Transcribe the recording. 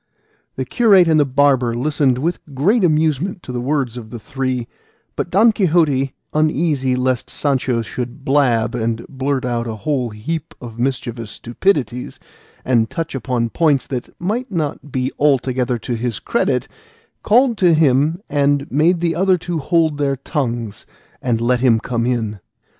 The curate and the barber listened with great amusement to the words of the three; but Don Quixote, uneasy lest Sancho should blab and blurt out a whole heap of mischievous stupidities, and touch upon points that might not be altogether to his credit, called to him and made the other two hold their tongues and let him come in.